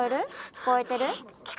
聞こえてる？